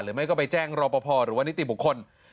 หรือไม่ก็ไปแจ้งรอปภหรือว่านิติบุคคล